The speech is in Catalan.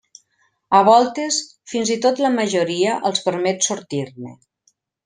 A voltes fins i tot la majoria els permet sortir-ne.